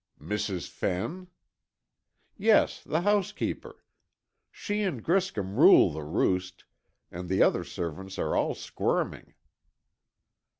"Mrs. Fenn?" "Yes, the housekeeper. She and Griscom rule the roost, and the other servants are all squirming."